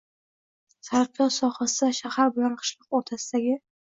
taraqkiyot sohasida shahar bilan qishloq o‘rtasidagi